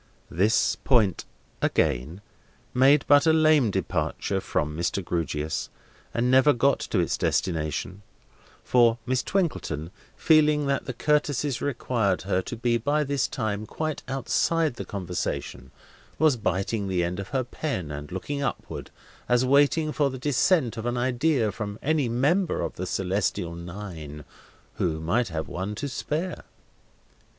This point, again, made but a lame departure from Mr. Grewgious, and never got to its destination; for, Miss Twinkleton, feeling that the courtesies required her to be by this time quite outside the conversation, was biting the end of her pen, and looking upward, as waiting for the descent of an idea from any member of the Celestial Nine who might have one to spare.